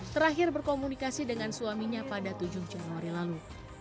terakhir berkomunikasi dengan suaminya pada tujuh januari lalu